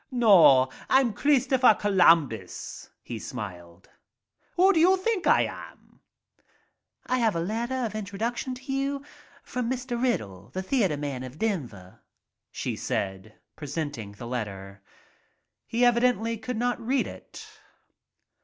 No, I'm Kristopher Columbus," he smiled. Who do you think I am ?" "I have a letter of introduction to you from Mr. Riddle, the theatre man of Denver," she said, pre senting the letter. He evidently could not read it.